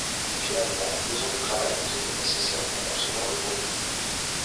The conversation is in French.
Finalement, deux ans de travail ont été nécessaires pour concevoir le produit.